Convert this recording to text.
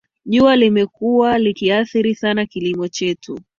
Jua limekuwa likiathiri sana kilimo chetu